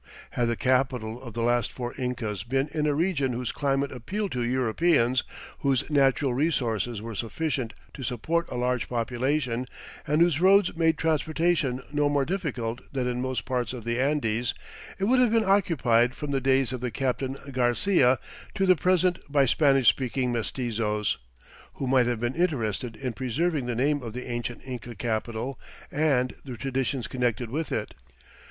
Had the capital of the last four Incas been in a region whose climate appealed to Europeans, whose natural resources were sufficient to support a large population, and whose roads made transportation no more difficult than in most parts of the Andes, it would have been occupied from the days of Captain Garcia to the present by Spanish speaking mestizos, who might have been interested in preserving the name of the ancient Inca capital and the traditions connected with it.